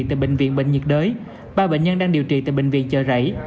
tại bệnh viện bệnh nhiệt đới ba bệnh nhân đang điều trị tại bệnh viện chợ rẫy